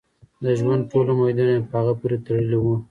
د ژوند ټول امیدونه یې په هغه پورې تړلي وو.